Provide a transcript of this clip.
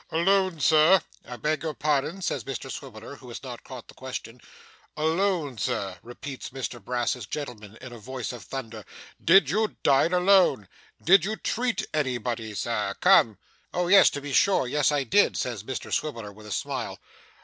'Alone, sir?' 'I beg your pardon,' says Mr Swiveller, who has not caught the question 'Alone, sir?' repeats Mr Brass's gentleman in a voice of thunder, 'did you dine alone? Did you treat anybody, sir? Come!' 'Oh yes, to be sure yes, I did,' says Mr Swiveller with a smile.